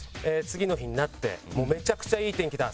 次の日になってもうめちゃくちゃいい天気だ。